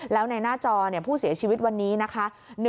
แล้วในหน้าจอผู้เสียชีวิตวันนี้นะคะ